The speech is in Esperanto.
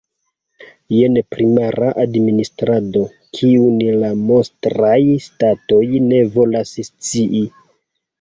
Jen primara administrado, kiun la monstraj ŝtatoj ne volas scii.